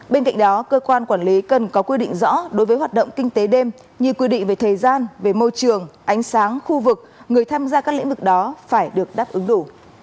bên cạnh đó cơ quan quản lý cần có quy định rõ đối với hoạt động kinh tế đêm như quy định về thời gian về môi trường ánh sáng khu vực người tham gia các lĩnh vực đó phải được đáp ứng đủ